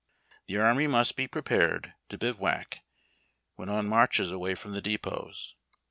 The Army must be prepared to bivouac when on marches away from the depots.